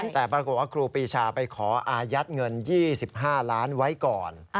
แต่ปรากฏว่าครูปีชาไปขออายัดเงิน๒๕ล้านไว้ก่อน